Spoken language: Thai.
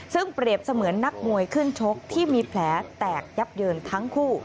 ซึ่งเปรียบเสมือนนักมวยขึ้นชกที่มีแผลแตกยับเยินทั้งคู่